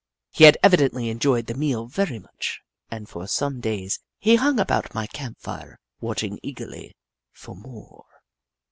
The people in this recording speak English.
He had evidently enjoyed the meal very much and for some days he hung about my camp fire, watching eagerly for more.